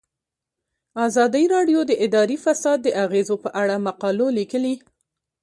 ازادي راډیو د اداري فساد د اغیزو په اړه مقالو لیکلي.